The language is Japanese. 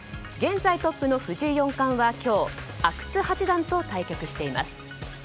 現在トップの藤井四冠は今日阿久津八段と対決しています。